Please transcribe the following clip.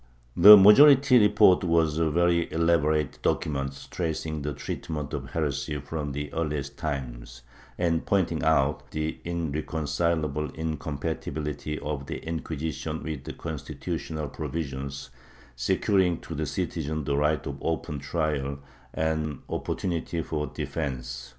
^ The majority report was a very elaborate document, tracing the treatment of heresy from the earliest times, and pointing out the irreconcileable incompatibility of the Inquisition with the constitu tional provisions securing to the citizen the right of open trial and opportunities for defence.